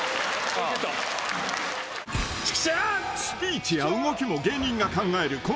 ［スピーチや動きも芸人が考える